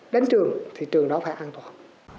đến trường thì trường đó phải an toàn